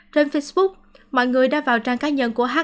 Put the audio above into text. trên facebook mọi người đã vào trang cá nhân của h